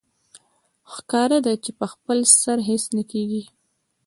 ښکاره ده چې په خپل سر هېڅ نه کېږي